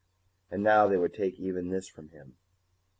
And now they would take even this from him!